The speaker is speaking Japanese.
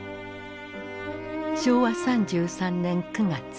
昭和３３年９月。